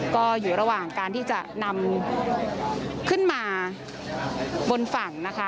ก็อยู่ระหว่างการที่จะนำขึ้นมาบนฝั่งนะคะ